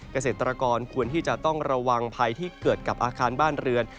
เกษตรกรควรที่จะต้องระวังภัยที่เกิดกับอาคารบ้านเรือน